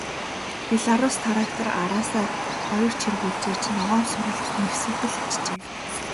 Белорусс трактор араасаа хоёр чиргүүл чирч, ногоон сүрэл нэвсийтэл ачжээ.